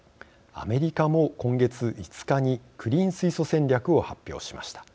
アメリカも今月５日にクリーン水素戦略を発表しました。